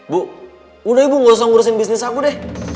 bu udah ibu gak usah ngurusin bisnis aku deh